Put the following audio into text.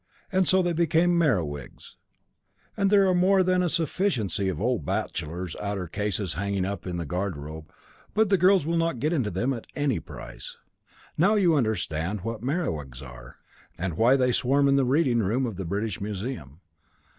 And so they become Merewigs. There are more than a sufficiency of old bachelors' outer cases hanging up in the garde robe, but the girls will not get into them at any price. Now you understand what Merewigs are, and why they swarm in the reading room of the British Museum.